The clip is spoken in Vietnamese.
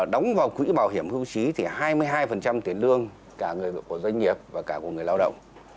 đóng vào quỹ bảo hiểm hưu trí thì hai mươi hai tiền lương cả của doanh nghiệp và cả của người lao động